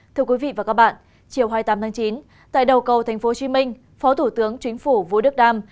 thưa quý vị và các bạn chiều hai mươi tám tháng chín tại đầu cầu tp hcm phó thủ tướng chính phủ vũ đức đam